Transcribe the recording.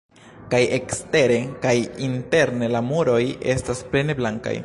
Kaj ekstere kaj interne la muroj estas plene blankaj.